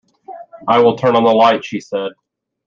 "I will turn on the light," she said.